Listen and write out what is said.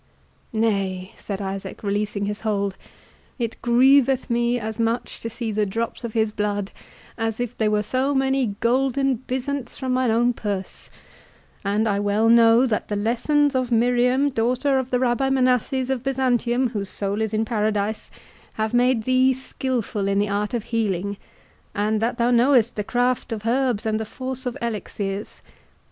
"Nay," said Isaac, releasing his hold, "it grieveth me as much to see the drops of his blood, as if they were so many golden byzants from mine own purse; and I well know, that the lessons of Miriam, daughter of the Rabbi Manasses of Byzantium whose soul is in Paradise, have made thee skilful in the art of healing, and that thou knowest the craft of herbs, and the force of elixirs.